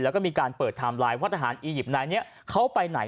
แล้วก็มีการเปิดไทม์ไลน์ว่าทหารอียิปต์นายนี้เขาไปไหน